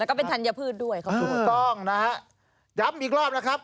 แล้วก็เป็นธัญพืชด้วยขอบคุณถูกต้องนะฮะย้ำอีกรอบนะครับ